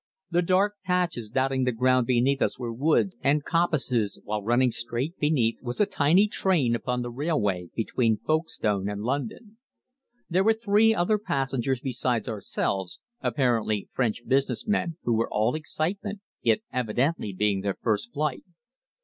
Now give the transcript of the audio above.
The dark patches dotting the ground beneath us were woods and coppices, while running straight beneath was a tiny train upon the railway between Folkestone and London. There were three other passengers beside ourselves, apparently French business men, who were all excitement, it evidently being their first flight.